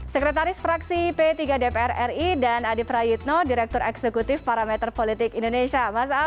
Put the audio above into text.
sekretaris fraksi p tiga dpr ri dan adi prayitno direktur eksekutif parameter politik indonesia